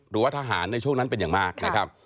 หรือว่าทหารในช่วงนั้นเป็นอย่างมากนะครับ